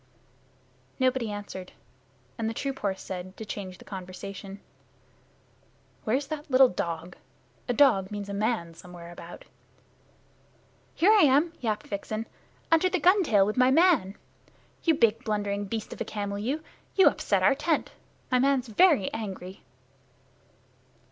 Nobody answered, and the troop horse said, to change the conversation, "Where's that little dog? A dog means a man somewhere about." "Here I am," yapped Vixen, "under the gun tail with my man. You big, blundering beast of a camel you, you upset our tent. My man's very angry."